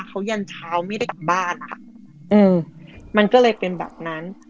เขายันเช้าไม่ได้กลับบ้านนะคะอืมมันก็เลยเป็นแบบนั้น